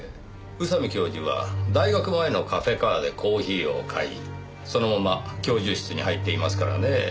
宇佐美教授は大学前のカフェカーでコーヒーを買いそのまま教授室に入っていますからねぇ。